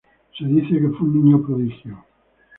Se dice que fue un niño prodigio.